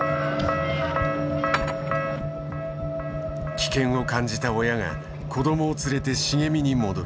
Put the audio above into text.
危険を感じた親が子供を連れて茂みに戻る。